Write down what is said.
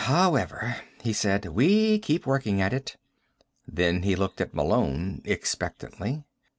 "However," he said, "we keep working at it." Then he looked at Malone expectantly.